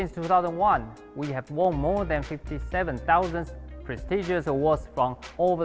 sejak dua ribu satu kami telah menangkan lebih dari lima puluh tujuh pembayaran yang prestijius di seluruh dunia